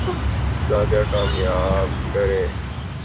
زیادہ کامیاب کریں